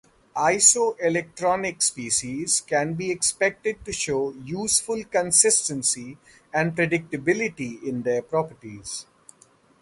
Isoelectronic species can be expected to show useful consistency and predictability in their properties.